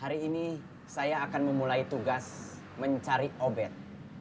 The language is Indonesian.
hari ini saya akan memulai tugas mencari obat